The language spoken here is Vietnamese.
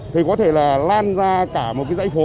thì có thể là lan ra cả một cái giai đoạn